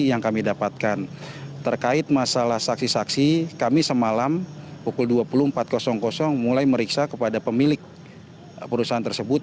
yang kami dapatkan terkait masalah saksi saksi kami semalam pukul dua puluh empat mulai meriksa kepada pemilik perusahaan tersebut